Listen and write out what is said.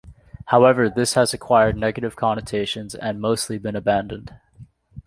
However, this has acquired negative connotations and mostly been abandoned.